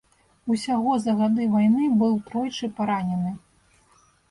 Усяго за гады вайны быў тройчы паранены.